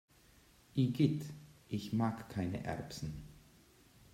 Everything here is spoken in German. Igitt, ich mag keine Erbsen!